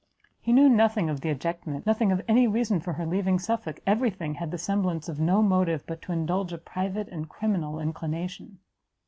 He knew nothing of the ejectment, nothing of any reason for her leaving Suffolk, every thing had the semblance of no motive but to indulge a private and criminal inclination.